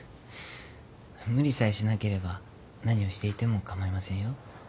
無理さえしなければ何をしていてもかまいませんよ。